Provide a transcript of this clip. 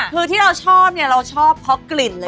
คือที่เราชอบเนี่ยเราชอบเพราะกลิ่นเลย